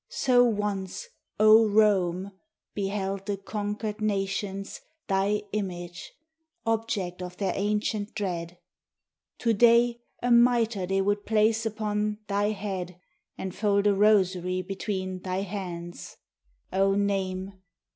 So once, O Rome, beheld the conquered nations Thy image, object of their ancient dread.[A] To day a mitre they would place upon Thy head, and fold a rosary between Thy hands. O name!